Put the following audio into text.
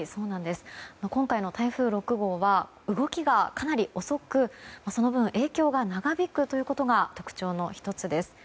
今回の台風６号は動きがかなり遅くその分、影響が長引くことが特徴の１つです。